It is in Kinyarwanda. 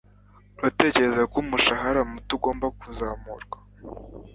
Uratekereza ko umushahara muto ugomba kuzamurwa